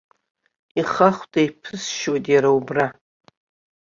Ихахәда еиԥысшьуеит иара убра.